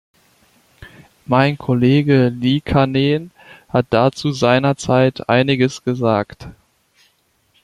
Mein Kollege Liikanen hat dazu seinerzeit einiges gesagt.